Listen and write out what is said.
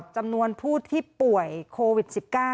จำนวนผู้ที่ป่วยโควิด๑๙